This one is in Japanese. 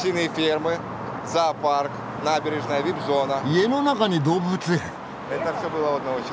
家の中に動物園！